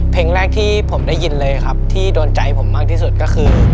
เพลงแรกที่ผมได้ยินเลยครับที่โดนใจผมมากที่สุดก็คือ